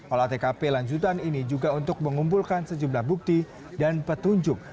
olah tkp lanjutan ini juga untuk mengumpulkan sejumlah bukti dan petunjuk